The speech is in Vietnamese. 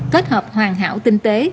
kết hợp hoàn hảo tinh tế